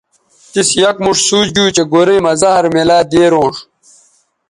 تِس یک موݜ سوچ گیو چہء گورئ مہ زہر میلہ دیرونݜ